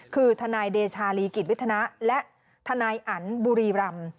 คือทเดชาลีกิจวิทยาณาและทอันบุรีรำ